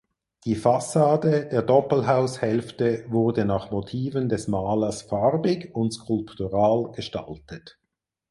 Die Fassade der Doppelhaushälfte wurde nach Motiven des Malers farbig und skulptural gestaltet.